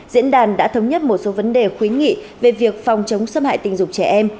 diễn đàn đã thống nhất một số vấn đề khuyến nghị về việc phòng chống xâm hại tình dục trẻ em